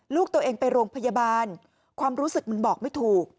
ลูกตัวเองไปโรงพยาบาลความรู้สึกมันบอกไม่ถูก